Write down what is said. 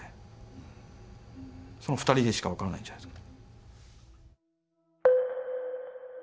その２人でしか分からないんじゃないですか。